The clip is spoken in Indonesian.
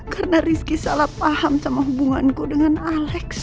karena rizky salah paham sama hubunganku dengan alex